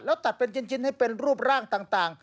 แล้วตัดเป็นชิ้นให้เป็นรูปร่างต่าง